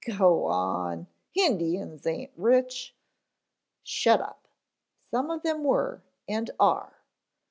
"Go on, Indians aint rich." "Shut up, some of 'em were and are.